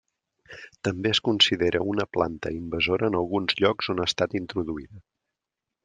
També es considera una planta invasora en alguns llocs on ha estat introduïda.